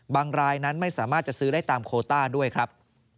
รายนั้นไม่สามารถจะซื้อได้ตามโคต้าด้วยครับ